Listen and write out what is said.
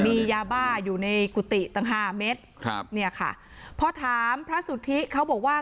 มียาบ้าอยู่ในกุฏิตั้งห้าเม็ดครับเนี่ยค่ะพอถามพระสุทธิเขาบอกว่า